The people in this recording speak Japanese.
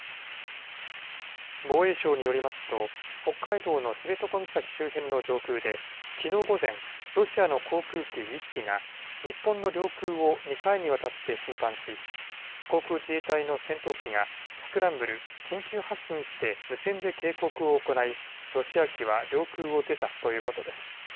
防衛省によりますと北海道の知床岬周辺の上空できのう午前、ロシアの航空機１機が日本の領空を２回にわたって侵犯し航空自衛隊の戦闘機がスクランブル・緊急発進して無線で警告を行い、ロシア機は領空を出たということです。